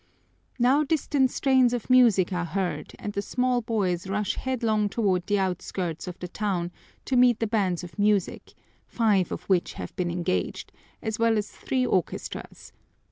Now distant strains of music are heard and the small boys rush headlong toward the outskirts of the town to meet the bands of music, five of which have been engaged, as well as three orchestras.